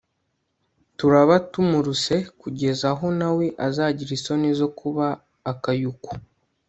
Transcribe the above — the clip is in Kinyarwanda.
turaba tumuruse ku geza aho nawe azagira isoni zo kuba akayuku